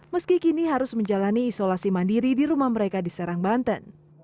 meski kini harus menjalani isolasi mandiri di rumah mereka di serang banten